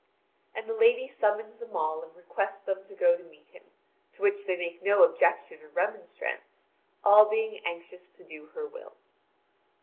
And the lady summons them all and requests them to go to meet him, to which they make no objection or remonstrance, all being anxious to do her will.